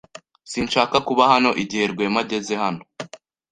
Sinshaka kuba hano igihe Rwema ageze hano.